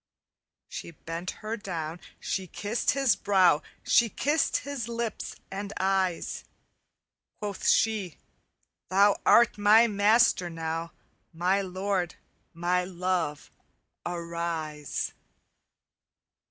"She bent her down, she kissed his brow, She kissed his lips and eyes. Quoth she, 'Thou art my master now, My lord, my love, arise!